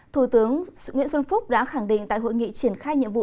thủ tướng nguyễn xuân phúc đã khẳng định tại hội nghị triển khai nhiệm vụ